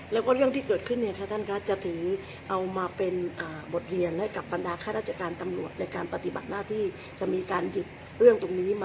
แล้วก็เรื่องที่เกิดขึ้นท่านคะจะถือเอามาเป็นบทเรียนให้กับบรรดาข้าราชการตำรวจในการปฏิบัติหน้าที่จะมีการหยิบเรื่องตรงนี้มา